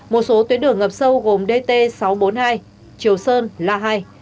một số tuyến đường ngập sâu gồm dt sáu trăm bốn mươi hai triều sơn la hai